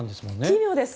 奇妙です。